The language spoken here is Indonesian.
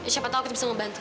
siapa tahu kita bisa membantu